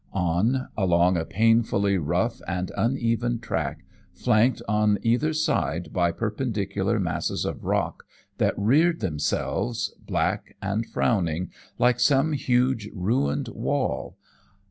On, along a painfully rough and uneven track, flanked on either side by perpendicular masses of rock that reared themselves, black and frowning, like some huge ruined wall.